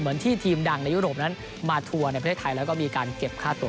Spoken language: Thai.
เหมือนที่ทีมดังในยุโรปนั้นมาทัวร์ในประเทศไทยแล้วก็มีการเก็บค่าตัว